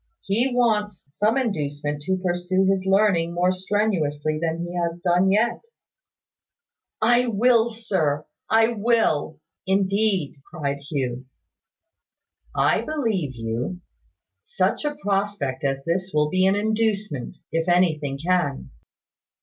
He wants some inducement to pursue his learning more strenuously than he has done yet " "I will, sir. I will," indeed, cried Hugh. "I believe you will. Such a prospect as this will be an inducement, if anything can.